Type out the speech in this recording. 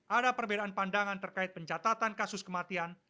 ada perbedaan pandangan terkait pencatatan kasus kematian